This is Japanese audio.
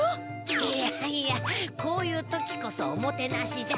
いやいやこういう時こそおもてなしじゃ。